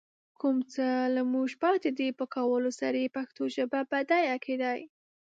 کوم څه له موږ پاتې دي، په کولو سره يې پښتو ژبه بډايه کېدای